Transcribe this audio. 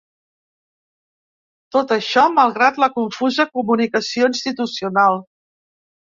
Tot això, malgrat la confusa comunicació institucional.